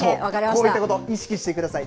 こういったこと、意識してください。